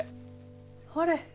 ほれ。